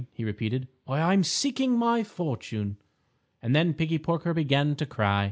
he repeated. "Why, I'm seeking my fortune." And then Piggie Porker began to cry.